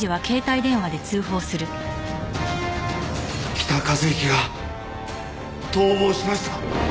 北一幸が逃亡しました。